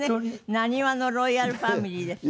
なにわのロイヤルファミリーですって。